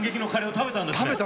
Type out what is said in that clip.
食べたんです。